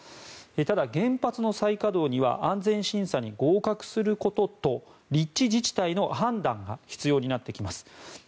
ただ、原発の再稼働には安全審査に合格することと立地自治体の判断が必要になってきます。